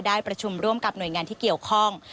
ได้ประชุมร่วมกับหน่วยงานที่เกี่ยวข้อง